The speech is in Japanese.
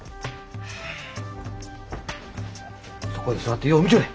そこへ座ってよう見とれ。